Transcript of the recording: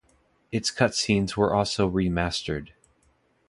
Its cutscenes were also remastered.